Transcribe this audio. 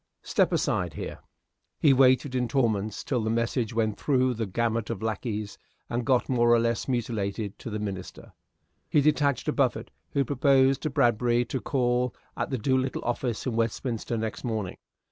Step aside here." He waited in torments till the message went through the gamut of lackeys, and got, more or less mutilated, to the minister. He detached a buffet, who proposed to Mr. Bradbury to call at the Do little office in Westminster next morning.